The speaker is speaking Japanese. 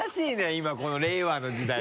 今この令和の時代に。